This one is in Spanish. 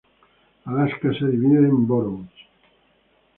Alaska se divide en boroughs.